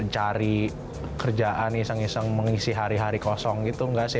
cari kerjaan iseng iseng mengisi hari hari kosong gitu nggak sih